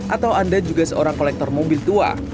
atau anda juga seorang kolektor mobil tua